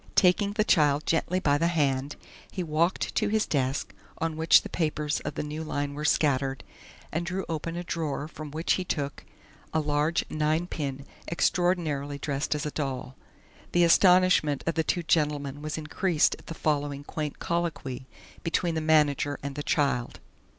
Taking the child gently by the hand, he walked to his desk, on which the papers of the new line were scattered, and drew open a drawer from which he took a large ninepin extraordinarily dressed as a doll. The astonishment of the two gentlemen was increased at the following quaint colloquy between the manager and the child.